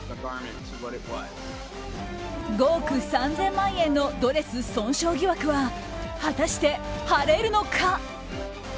５億３０００万円のドレス損傷疑惑は果たして、晴れるのか。